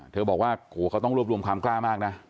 เขาบอกว่าโหเขาต้องรวบรวมความกล้ามากนะ